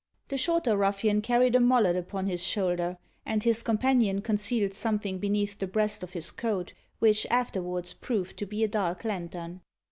The shorter ruffian carried a mallet upon his shoulder, and his companion concealed something beneath the breast of his coat, which afterwards proved to be a dark lantern.